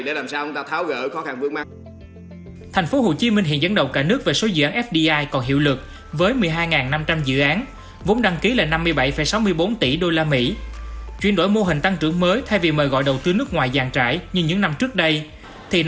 thì nay thành phố hồ chí minh hiện dẫn đầu cả nước về số dự án fdi